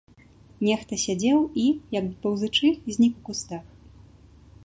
Нехта сядзеў і, як бы паўзучы, знік у кустах.